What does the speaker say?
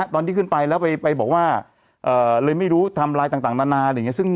ตอนที่ขึ้นไปแล้วไปบอกว่าเลยไม่รู้ทำร้ายต่างนานา